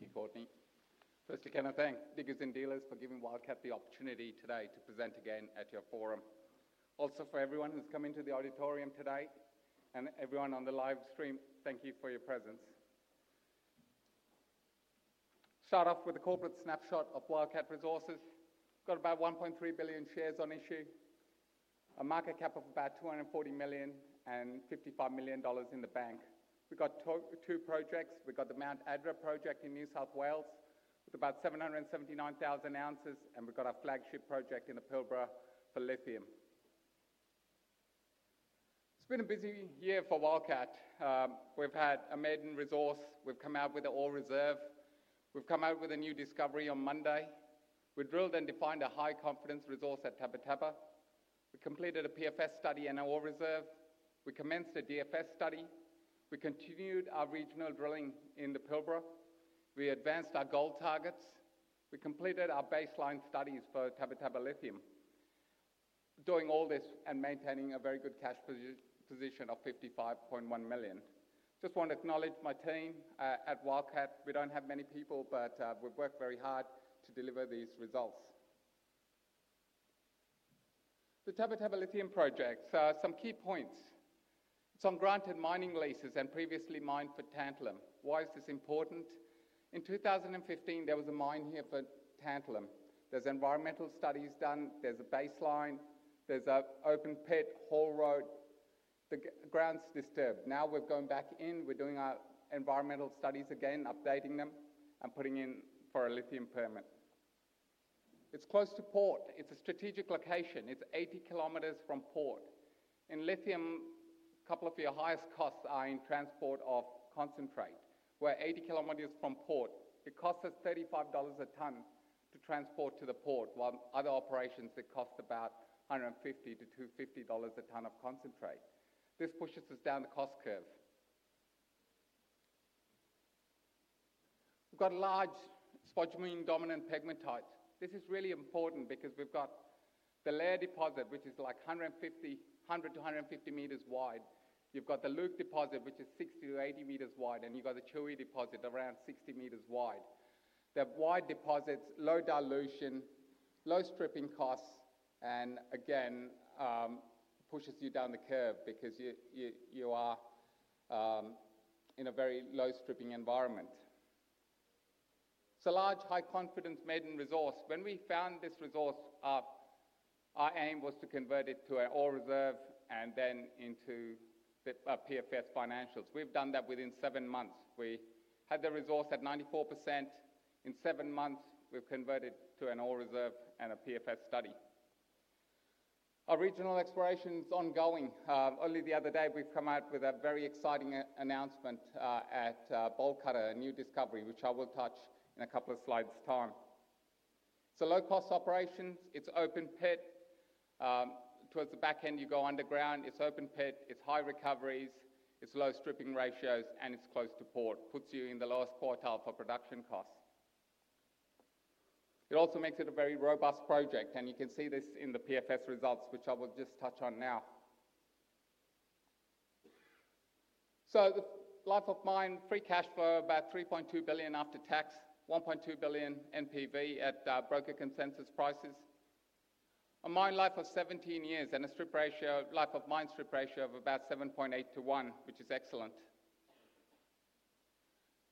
Thank you Courtney. First, again, I thank Diggers & Dealers for giving Wildcat the opportunity today to present again at your forum. Also, for everyone who's come into the auditorium today, and everyone on the live stream, thank you for your presence. Start off with a corporate snapshot of Wildcat Resources. We've got about 1.3 billion shares on issue, a market cap of about $240 million, and $55 million in the bank. We've got two projects. We've got the Mt Adrah Project in New South Wales with about 779,000 oz, and we've got our flagship project in the Pilbara for lithium. It's been a busy year for Wildcat. We've had a maiden resource. We've come out with an ore reserve. We've come out with a new discovery on Monday. We drilled and defined a high-confidence resource at Tabba Tabba. We completed a PFS study in our ore reserve. We commenced a DFS study. We continued our regional drilling in the Pilbara. We advanced our gold targets. We completed our baseline studies for Tabba Tabba lithium. Doing all this and maintaining a very good cash position of $55.1 million. I just want to acknowledge my team at Wildcat. We don't have many people, but we've worked very hard to deliver these results. The Tabba Tabba Lithium project, so some key points. Some granted mining leases and previously mined for tantalum. Why is this important? In 2015, there was a mine here for tantalum. There's environmental studies done. There's a baseline. There's an open-pit haul road. The ground's disturbed. Now we're going back in. We're doing our environmental studies again, updating them, and putting in for a lithium permit. It's close to port. It's a strategic location. It's 80 km from port. In lithium, a couple of your highest costs are in transport of concentrate. We're 80 km from port. It costs us $35 a ton to transport to the port, while other operations, it costs about $150-$250 a ton of concentrate. This pushes us down the cost curve. We've got large spodumene-dominant pegmatite. This is really important because we've got the Leia deposit, which is like 100 m-150 m wide. You've got the Luke deposit, which is 60 m-80 m wide, and you've got the Chewy deposit around 60 m wide. They're wide deposits, low dilution, low stripping costs, and again, pushes you down the curve because you are in a very low stripping environment. It's a large high-confidence maiden resource. When we found this resource, our aim was to convert it to an ore reserve and then into the PFS financials. We've done that within seven months. We had the resource at 94%. In seven months, we've converted to an ore reserve and a PFS study. Our regional exploration is ongoing. Only the other day, we've come out with a very exciting announcement at Bolt Cutter, a new discovery, which I will touch on in a couple of slides' time. It's a low-cost operation. It's open pit. Towards the back end, you go underground. It's open pit. It's high recoveries. It's low stripping ratios, and it's close to port. It puts you in the lowest quartile for production costs. It also makes it a very robust project, and you can see this in the PFS results, which I will just touch on now. The Life of Mine free cash flow is about $3.2 billion after tax, $1.2 billion NPV at broker consensus prices. A mine life of 17 years and a strip ratio, Life of Mine strip ratio of about 7.8:1, which is excellent.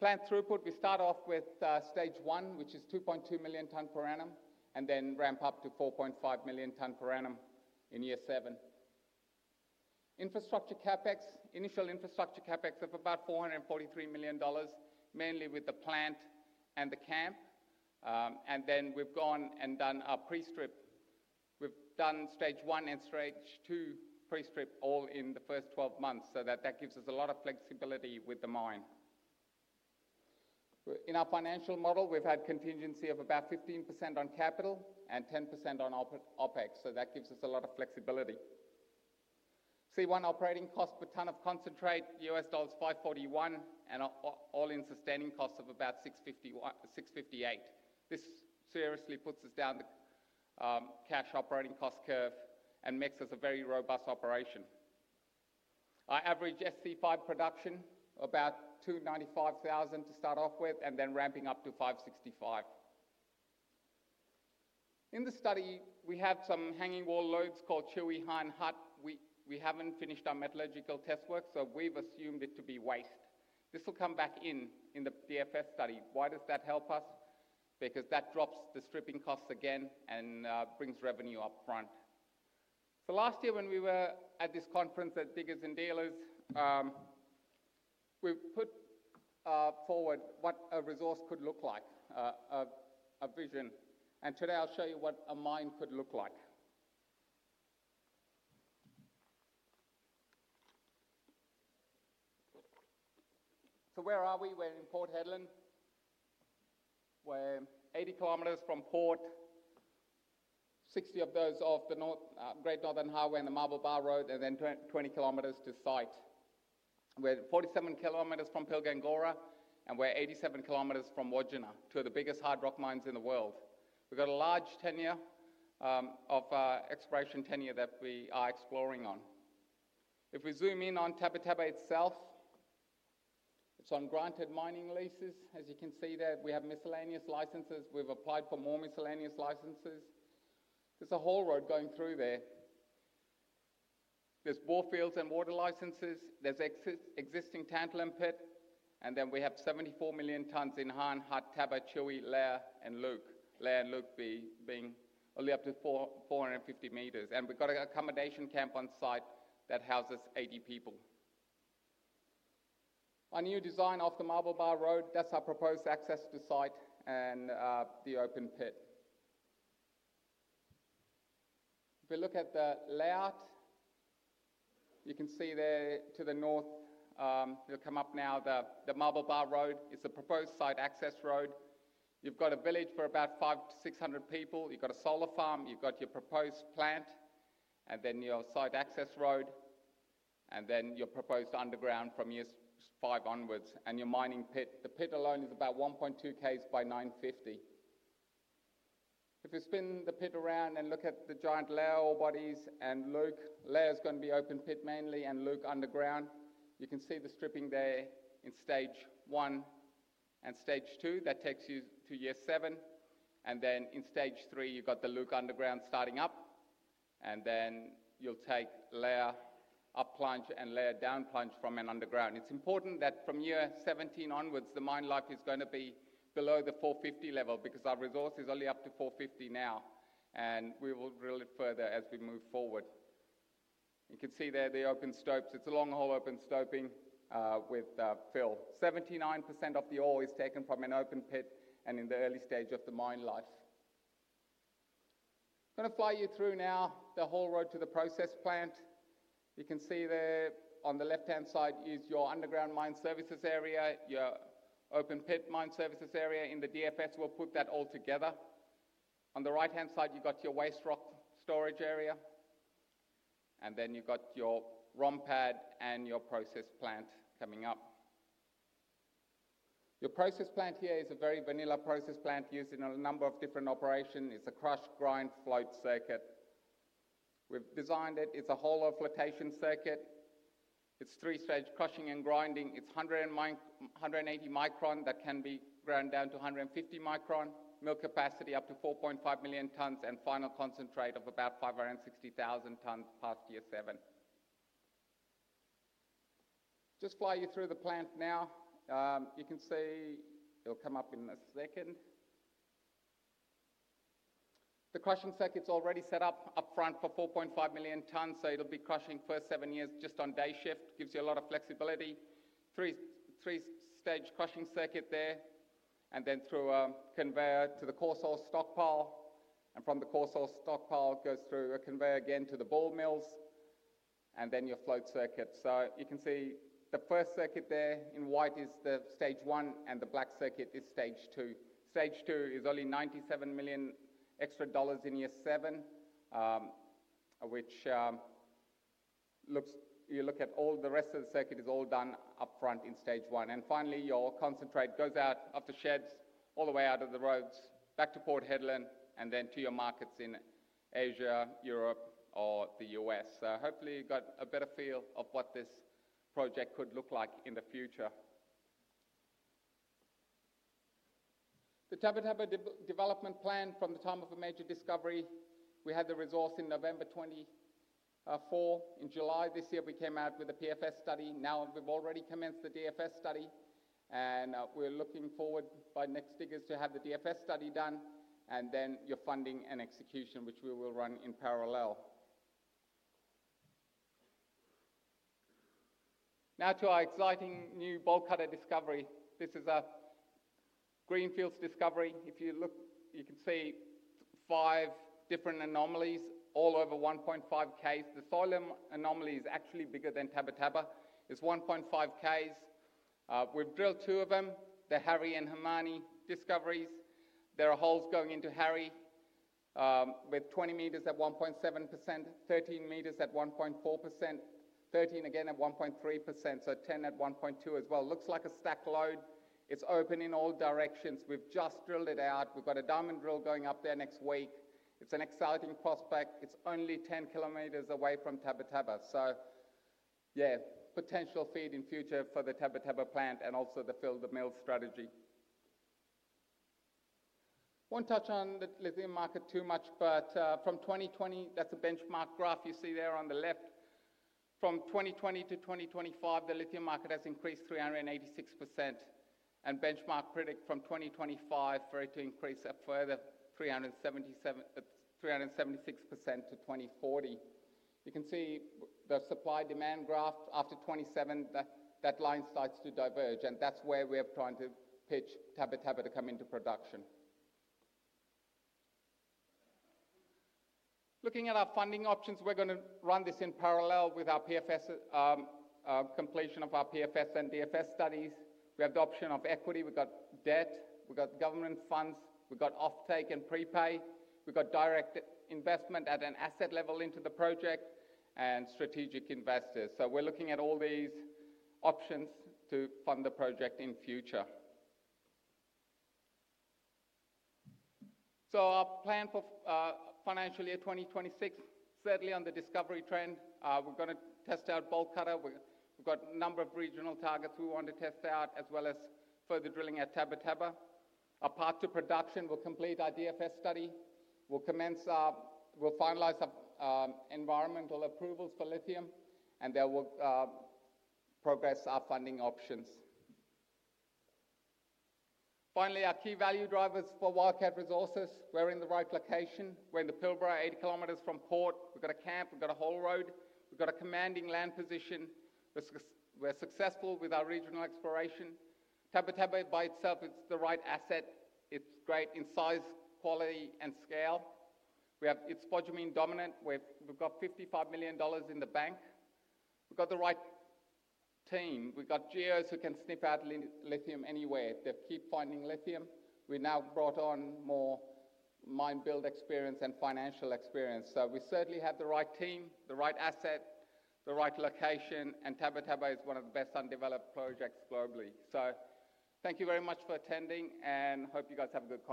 Plant throughput, we start off with stage one, which is 2.2 million tons per annum, and then ramp up to 4.5 million tons per annum in year seven. Infrastructure CapEx, initial infrastructure CapEx of about $443 million, mainly with the plant and the camp. We've gone and done our pre-strip. We've done stage one and stage two pre-strip all in the first 12 months, so that gives us a lot of flexibility with the mine. In our financial model, we've had contingency of about 15% on capital and 10% on OpEx, so that gives us a lot of flexibility. C1 operating cost per ton of concentrate, U.S. dollars $541, and all-in sustaining costs of about $658. This seriously puts us down the cash operating cost curve and makes us a very robust operation. Our average SC5 production, about 295,000 to start off with, and then ramping up to 565,000. In the study, we have some hanging wall loads called Chewy, Han, Hutt. We haven't finished our metallurgical test work, so we've assumed it to be waste. This will come back in in the PFS study. Why does that help us? Because that drops the stripping costs again and brings revenue up front. Last year, when we were at this conference at Diggers & Dealers, we put forward what a resource could look like, a vision. Today, I'll show you what a mine could look like. Where are we? We're in Port Hedland. We're 80 km from port, 60 of those off the North Great Northern Highway and the Marble Bar Road, and then 20 km to site. We're 47 km from Pilgangoora, and we're 87 km from Wodgina, two of the biggest hard rock mines in the world. We've got a large tenure of exploration tenure that we are exploring on. If we zoom in on Tabba Tabba itself, it's on granted mining leases. As you can see there, we have miscellaneous licenses. We've applied for more miscellaneous licenses. There's a whole road going through there. There's bore fields and water licenses. There's existing tantalum pit, and then we have 74 million tons in Han, Hutt, Tabba, Chewy, Leia, and Luke. Leia and Luke being only up to 450 m. We've got an accommodation camp on site that houses 80 people. Our new design off the Marble Bar Road, that's our proposed access to site and the open pit. If we look at the layout, you can see there to the north, you'll come up now, the Marble Bar Road is the proposed site access road. You've got a village for about 500-600 people. You've got a solar farm. You've got your proposed plant and then your site access road and then your proposed underground from year five onwards and your mining pit. The pit alone is about 1.2 km x 950 m. If you spin the pit around and look at the giant Leia ore bodies and Luke, Leia is going to be open pit mainly and Luke underground. You can see the stripping there in stage one and stage two. That takes you to year seven. In stage three, you've got the Luke underground starting up. You'll take Leia up plunge and Leia down plunge from an underground. It's important that from year 17 onwards, the mine life is going to be below the [450 m] level because our resource is only up to [450 m] now. We will drill it further as we move forward. You can see there the open stopes. It's a long haul open stoping with fill. 79% of the ore is taken from an open pit and in the early stage of the mine life. I'm going to fly you through now the whole road to the process plant. You can see there on the left-hand side is your underground mine services area, your open pit mine services area in the DFS. We'll put that all together. On the right-hand side, you've got your waste rock storage area. Then you've got your ROM pad and your process plant coming up. Your process plant here is a very vanilla process plant used in a number of different operations. It's a crush, grind, float circuit. We've designed it. It's a whole ore flotation circuit. It's three-stage crushing and grinding. It's 180 µm that can be ground down to 150 µm, mill capacity up to 4.5 million tons, and final concentrate of about 560,000 tons past year seven. Just fly you through the plant now. You can see it'll come up in a second. The crushing circuit's already set up up front for 4.5 million tons, so it'll be crushing for seven years just on day shift. Gives you a lot of flexibility. Three-stage crushing circuit there, then through a conveyor to the coarse ore stockpile. From the coarse ore stockpile, it goes through a conveyor again to the ball mills, then your float circuit. You can see the first circuit there in white is the stage one, and the black circuit is stage two. Stage two is only $97 million extra in year seven, which looks, you look at all the rest of the circuit is all done up front in stage one. Finally, your concentrate goes out off the sheds, all the way out of the roads, back to Port Hedland, and then to your markets in Asia, Europe, or the U.S. Hopefully, you got a better feel of what this project could look like in the future. The Tabba Tabba development plan from the time of a major discovery, we had the resource in November 2024. In July this year, we came out with a PFS study. Now we've already commenced the DFS study. We're looking forward by next Diggers to have the DFS study done, then your funding and execution, which we will run in parallel. Now to our exciting new Bolt Cutter discovery. This is a greenfields discovery. If you look, you can see five different anomalies all over 1.5 km. The Solium anomaly is actually bigger than Tabba Tabba. It's 1.5 km. We've drilled two of them, the Harry and Hermione discoveries. There are holes going into Harry with 20 m at 1.7%, 13 m at 1.4%, 13 m again at 1.3%, and 10 m at 1.2% as well. Looks like a stack load. It's open in all directions. We've just drilled it out. We've got a diamond drill going up there next week. It's an exciting prospect. It's only 10 km away from Tabba Tabba. Potential feed in future for the Tabba Tabba plant and also the fill the mill strategy. Won't touch on the lithium market too much, but from 2020, that's a benchmark graph you see there on the left. From 2020-2025, the lithium market has increased 386%. Benchmark predicts from 2025 for it to increase up further 376% to 2040. You can see the supply-demand graph after 2027, that line starts to diverge, and that's where we're trying to pitch Tabba Tabba to come into production. Looking at our funding options, we're going to run this in parallel with our completion of our PFS and DFS studies. We have the option of equity. We've got debt. We've got government funds. We've got offtake and prepay. We've got direct investment at an asset level into the project and strategic investors. We're looking at all these options to fund the project in future. Our plan for financial year 2026, certainly on the discovery trend, we're going to test out Bolt Cutter. We've got a number of regional targets we want to test out, as well as further drilling at Tabba Tabba. Our path to production, we'll complete our DFS study. We'll finalize our environmental approvals for lithium, and then we'll progress our funding options. Finally, our key value drivers for Wildcat Resources, we're in the right location. We're in the Pilbara, 80 km from port. We've got a camp. We've got a haul road. We've got a commanding land position. We're successful with our regional exploration. Tabba Tabba by itself, it's the right asset. It's great in size, quality, and scale. It's spodumene dominant. We've got $55 million in the bank. We've got the right team. We've got geos who can sniff out lithium anywhere. They keep finding lithium. We've now brought on more mine build experience and financial experience. We certainly have the right team, the right asset, the right location, and Tabba Tabba is one of the best undeveloped projects globally. Thank you very much for attending, and hope you guys have a good time.